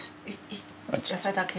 野菜だけ。